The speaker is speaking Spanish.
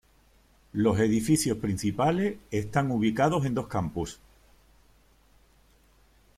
Los edificios principales están ubicados en dos campus.